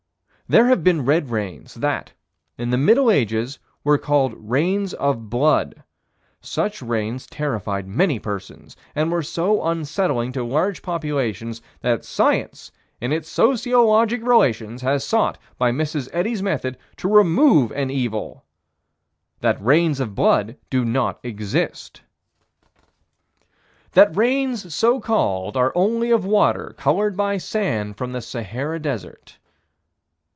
There have been red rains that, in the middle ages, were called "rains of blood." Such rains terrified many persons, and were so unsettling to large populations, that Science, in its sociologic relations, has sought, by Mrs. Eddy's method, to remove an evil That "rains of blood" do not exist; That rains so called are only of water colored by sand from the Sahara Desert.